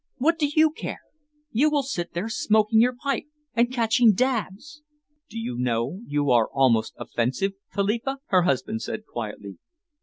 What do you care? You will sit there smoking your pipe and catching dabs!" "Do you know you are almost offensive, Philippa?" her husband said quietly.